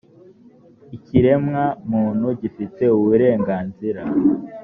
ikiremwamuntu gifite uburenganzira.